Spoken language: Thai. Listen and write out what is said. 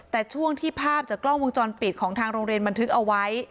แต่ช่วงที่ภาพจากกล้องวงจรปิดของทางโรงเรียนบันทึกเอาไว้